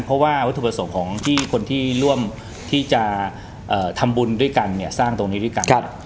เพราะว่าวัตถุประสงค์ของที่คนที่ร่วมที่จะทำบุญด้วยกันเนี่ยสร้างตรงนี้ด้วยกัน